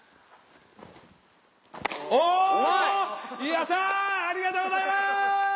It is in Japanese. やったありがとうございます！